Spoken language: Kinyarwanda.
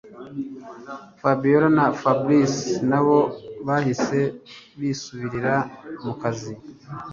Fabiora na Fabric nabo bahise bisubirira mukazi